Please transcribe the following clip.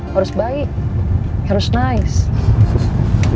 harus baik harus nice